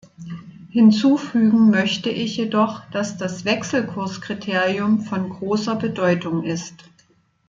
Hinzufügen möchte ich jedoch, dass das Wechselkurskriterium von großer Bedeutung ist.